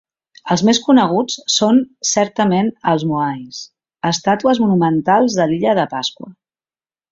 Els més coneguts són certament els Moais, estàtues monumentals de l'Illa de Pasqua.